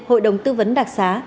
hội đồng tư vấn đặc sá